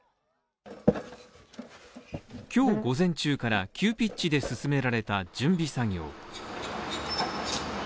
今日午前中から急ピッチで進められた準備作業。